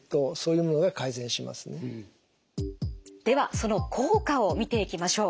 その効果を見ていきましょう。